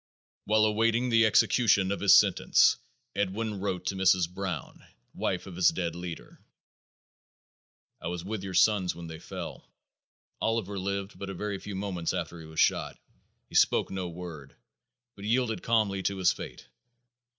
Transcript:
While awaiting the execution of his sentence, Edwin wrote to Mrs. Brown, wife of his dead leader: "I was with your sons when they fell. Oliver lived but a very few moments after he was shot. He spoke no word, but yielded calmly to his fate.